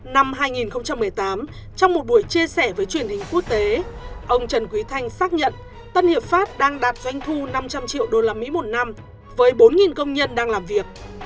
năm hai nghìn một mươi tám trong một buổi chia sẻ với truyền hình quốc tế ông trần quý thanh xác nhận tân hiệp pháp đang đạt doanh thu năm trăm linh triệu usd một năm với bốn công nhân đang làm việc